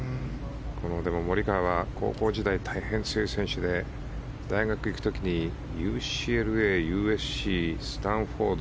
モリカワは高校時代大変強い選手で大学行く時にＵＣＬＡスタンフォード